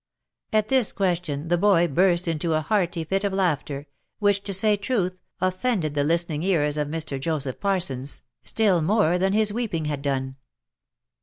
At this question, the boy burst into a hearty fit of laughter, which to say truth, offended the listening ears of Mr. Joseph Par sons, still more than his weeping had done.